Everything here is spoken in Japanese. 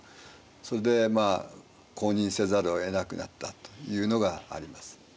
それでまあ公認せざるをえなくなったというのがあります。